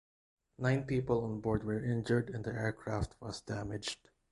Nine people on board were injured and the aircraft was damaged.